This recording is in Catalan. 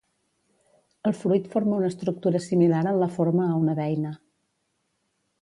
El fruit forma una estructura similar en la forma a una beina.